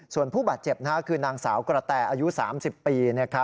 ส่วนผู้บาดเจ็บคือนางสาวกระแตอายุ๓๐ปี